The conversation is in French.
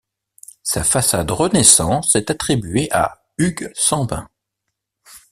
Sa façade renaissance est attribuée à Hugues Sambin.